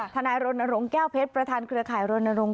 ธนายโรนโรงแก้วเพชรประธานเครือข่ายโรนโรง